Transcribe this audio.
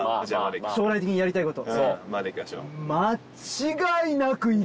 将来的にやりたいこと。